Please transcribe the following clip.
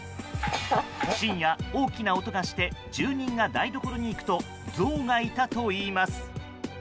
深夜、大きな音がして住人が台所に行くとゾウがいたといいます。